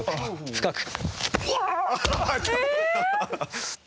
深く。